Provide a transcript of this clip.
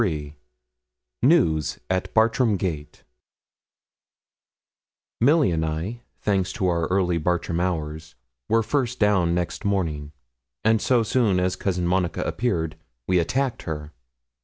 CHAPTER XLIII NEWS AT BARTRAM GATE Milly and I, thanks to our early Bartram hours, were first down next morning; and so soon as Cousin Monica appeared we attacked her.